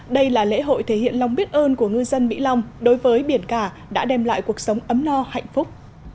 đây là lễ hội thể hiện lòng biết ơn của ngư dân mỹ long đối với biển cả đã đem lại cuộc sống ấm no hạnh phúc